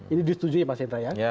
ini disetujui mas hendra ya